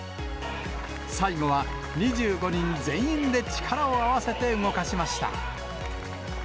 最後は２５人全員で力を合わせて動かしました。